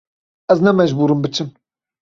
Ez ne mecbûr im biçim.